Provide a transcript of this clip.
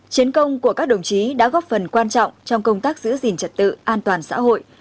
chiến công của các đồng chí đã góp phần quan trọng trong công tác giữ gìn trật tự an toàn xã hội